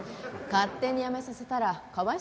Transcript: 勝手に辞めさせたらかわいそうですよ。